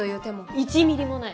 １ミリもない。